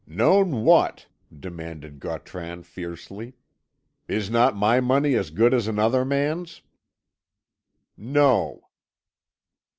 "Known what?" demanded Gautran fiercely. "Is not my money as good as another man's?" "No."